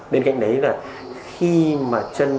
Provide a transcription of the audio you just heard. bên cạnh đấy là khi mà chân